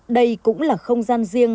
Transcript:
đây cũng là không gian riêng